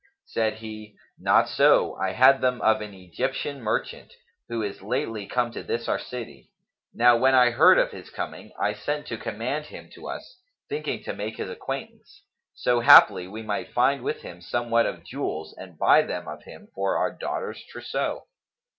Said he, "Not so, I had them of an Egyptian merchant, who is lately come to this our city. Now when I heard of his coming I sent to command him to us, thinking to make his acquaintance, so haply we might find with him somewhat of jewels and buy them of him for our daughter's trousseau.